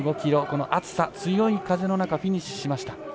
１５ｋｍ、暑さ強い風の中フィニッシュしました。